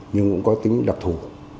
nhưng cũng có tính đặc thủ